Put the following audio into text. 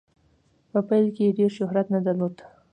په پیل کې یې ډیر شهرت نه درلود.